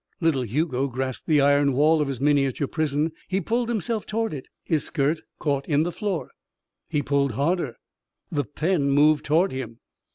Little Hugo grasped the iron wall of his miniature prison. He pulled himself toward it. His skirt caught in the floor. He pulled harder. The pen moved toward him.